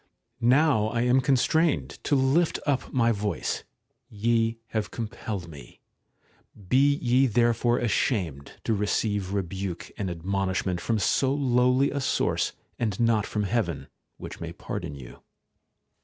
§ 9. Now am I constrained to lift up my voice : ye have compelled me. Be ye therefore ashamed to receive 146 LETTERS OF DANTE rebuke and admonishment from so lowly a source, and not from Heaven, which may pardon you.